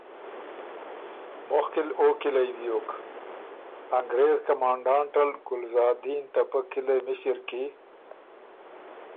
مُخکی ل او کلئ بیوک، انګرېز کمانډانټ ال ګلزادین ته پۀ کِلئ مِݭِر کی